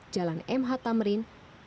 jalan mh tamrin